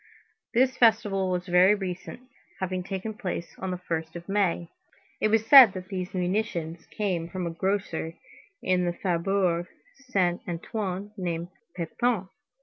This festival was very recent, having taken place on the 1st of May. It was said that these munitions came from a grocer in the Faubourg Saint Antoine named Pépin.